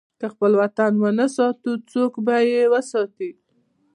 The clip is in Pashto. که خپل وطن ونه ساتو، څوک به یې وساتي؟